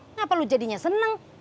kenapa lu jadinya seneng